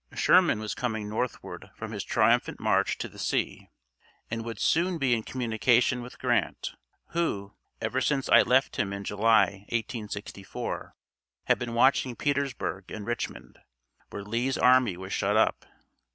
Sherman was coming northward from his triumphant march to the sea, and would soon be in communication with Grant, who, ever since I left him in July, 1864, had been watching Petersburg and Richmond, where Lee's army was shut up.